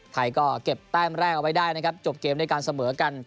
ไทยก็เก็บแต้มแรกเอาไว้ได้นะครับจบเกมด้วยการเสมอกัน